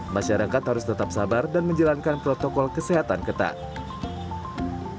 masyarakat harus tetap sabar dan menjalankan protokol kesehatan ketat